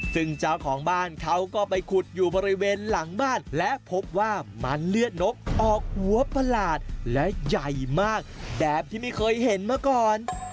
ซึ่งเจ้าของบ้านเขาก็ไปขุดอยู่บริเวณหลังบ้านและพบว่ามันเลือดนกออกหัวประหลาดและใหญ่มากแบบที่ไม่เคยเห็นมาก่อน